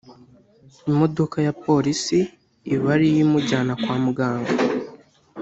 imodoka ya Polisi iba ari yo imujyana kwa muganga